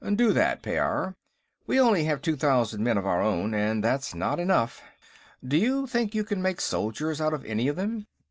"Do that, Pyairr. We only have two thousand men of our own, and that's not enough. Do you think you can make soldiers out of any of them?"